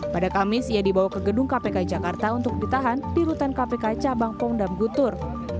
pada kamis ia dibawa ke gedung kpk jakarta untuk ditahan di rutan kpk cabang pongdam gutur